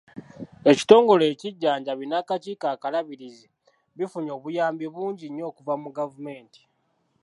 Ekitongole ekijjanjabi n'akakiiko akalabirizi bifunye obuyambi bungi nnyo okuva mu gavumenti.